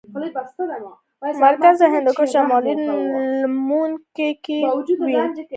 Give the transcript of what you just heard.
د هېپتاليانو مرکز د هندوکش شمالي لمنو کې کې وو